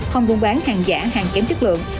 không buôn bán hàng giả hàng kém chất lượng